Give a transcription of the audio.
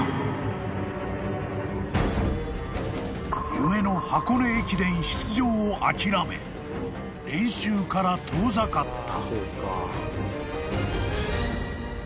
［夢の箱根駅伝出場を諦め練習から遠ざかった］